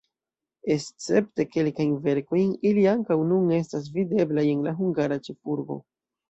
Escepte kelkajn verkojn ili ankaŭ nun estas videblaj en la hungara ĉefurbo.